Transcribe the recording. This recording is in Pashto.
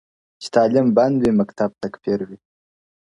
• چي تعلیم بند وي مکتب تکفیر وي -